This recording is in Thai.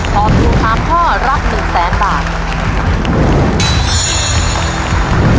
ตอบถูก๓ข้อรับ๑๐๐๐๐๐บาท